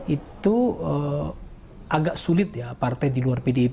itu agak sulit ya partai di luar pdip